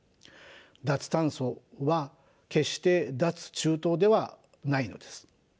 脱炭素は決して脱中東ではないのです。